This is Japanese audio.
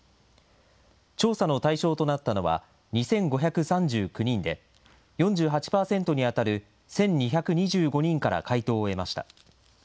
調査の対象となったのは、２５３９人で、４８％に当たる１２２５人から回答を得ました。